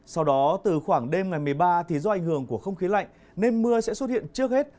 sau đó từ khoảng đêm ngày một mươi ba thì do ảnh hưởng của không khí lạnh nên mưa sẽ xuất hiện trước hết